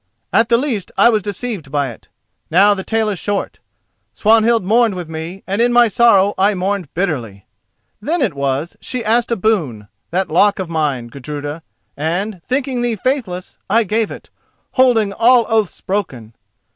"At the least I was deceived by it. Now the tale is short. Swanhild mourned with me, and in my sorrow I mourned bitterly. Then it was she asked a boon, that lock of mine, Gudruda, and, thinking thee faithless, I gave it, holding all oaths broken.